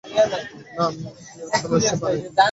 না, মেইজি, আসলে সে বানায়নি।